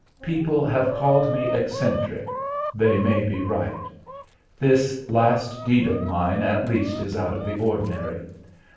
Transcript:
People have called me eccentric, they may be right. This last deed of mine at least, is out of the ordinary.